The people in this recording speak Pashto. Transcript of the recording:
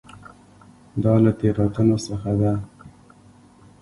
دا له تېروتنو څخه ده.